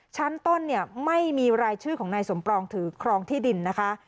ชั้นต้นเนี่ยไม่มีรายชื่อของนายสมปองถือครองที่ดินนะคะ